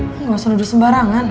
lo gak usah duduk sembarangan